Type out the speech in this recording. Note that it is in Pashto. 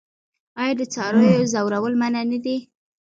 آیا د څارویو ځورول منع نه دي؟